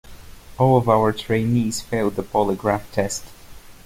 All of our trainees failed the polygraph test.